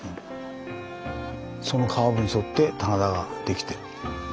そのカーブに沿って棚田ができて。